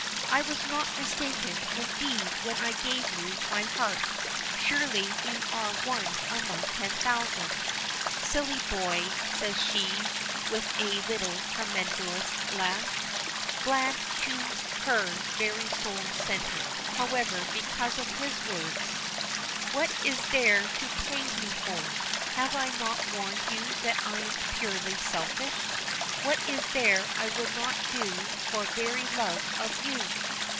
"I was not mistaken, indeed, when I gave you my heart. Surely you are one among ten thousand." "Silly boy," says she, with a little tremulous laugh, glad to her very soul's centre, however, because of his words. "What is there to praise me for? Have I not warned you that I am purely selfish? What is there I would not do for very love of you?